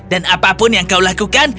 dan apapun yang kau lakukan